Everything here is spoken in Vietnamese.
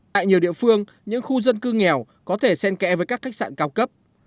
tại nhiều địa phương những khu dân cư nghèo có thể sen kẽ với các khách sạn cao cấp